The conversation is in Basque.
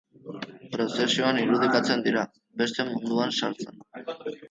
Prozesioan irudikatzen dira, beste munduan sartzen.